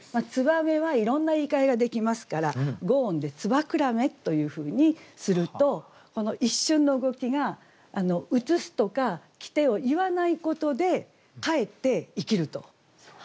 燕はいろんな言いかえができますから５音で「つばくらめ」というふうにするとこの一瞬の動きが「映す」とか「きて」を言わないことでかえって生きると。